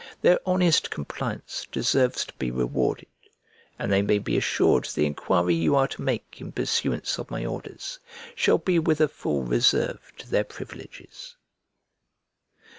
Their honest compliance deserves to be rewarded; and they may be assured the enquiry you are to make in pursuance of my orders shall be with a full reserve to their privileges.